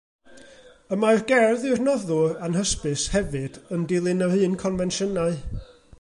Y mae'r gerdd i'r noddwr anhysbys hefyd yn dilyn yr un confensiynau.